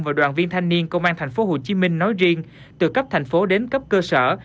và đoàn viên thanh niên công an tp hcm nói riêng từ cấp thành phố đến cấp cơ sở